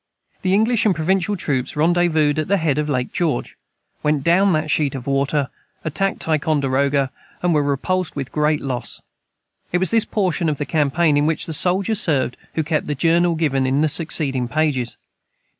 The English and provincial troops rendezvoused at the head of Lake George, went down that sheet of water, attacked Ticonderoga, and were repulsed with great loss. It was this portion of that campaign in which the soldier served who kept the Journal given in the succeeding pages.